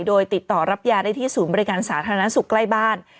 โดยติดต่อรับยาได้ที่ศูนย์บริการสาธารณสุขใกล้บ้าน